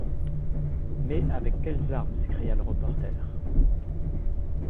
Mais avec quelle arme s’écria le reporter